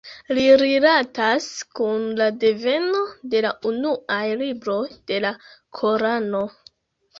Li rilatas kun la deveno de la unuaj libroj de la Korano.